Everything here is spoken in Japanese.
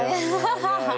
ハハハハ！